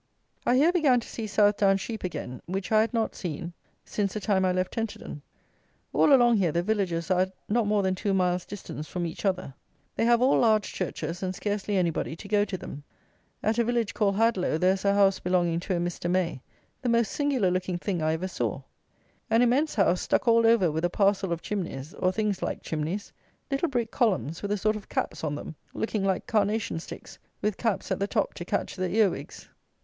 I here began to see Southdown sheep again, which I had not seen since the time I left Tenterden. All along here the villages are at not more than two miles' distance from each other. They have all large churches, and scarcely anybody to go to them. At a village called Hadlow, there is a house belonging to a Mr. May, the most singular looking thing I ever saw. An immense house stuck all over with a parcel of chimneys, or things like chimneys; little brick columns, with a sort of caps on them, looking like carnation sticks, with caps at the top to catch the earwigs.